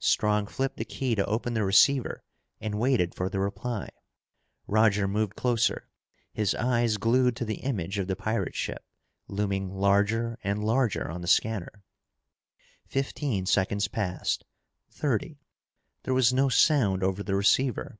Strong flipped the key to open the receiver and waited for the reply. Roger moved closer, his eyes glued to the image of the pirate ship looming larger and larger on the scanner. Fifteen seconds passed. Thirty. There was no sound over the receiver.